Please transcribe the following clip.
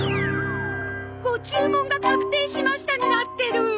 「ご注文が確定しました」になってる！